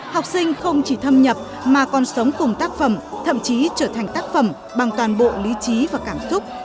học sinh không chỉ thâm nhập mà còn sống cùng tác phẩm thậm chí trở thành tác phẩm bằng toàn bộ lý trí và cảm xúc